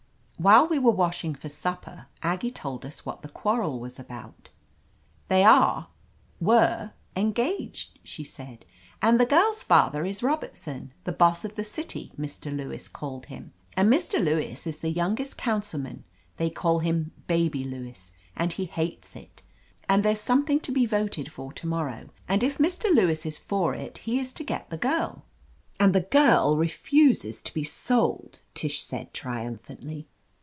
While we were washing for supper Aggie told us what the quarrel was about. "They are — ^were — engaged," she said, "and the girl's father is Robertson — ^the boss of the city, Mr. Lewis called him. And Mr. Lewis is the youngest councilman — ^they call him *Baby' Lewis, and he hates it — ^and there's something to be voted for to morrow ; and if Mr. Lewis is for it he is to get the girl." "And the girl refuses to be sold !" Tish said triumphantly.